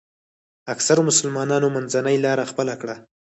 اکثرو مسلمانانو منځنۍ لاره خپله کړه.